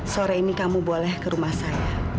sore ini kamu boleh ke rumah saya